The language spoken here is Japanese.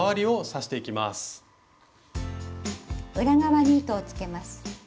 裏側に糸をつけます。